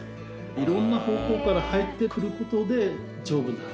いろんな方向から入ってくることで丈夫になる。